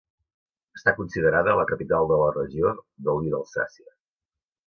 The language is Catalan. Està considerada la capital de la regió del vi d'Alsàcia.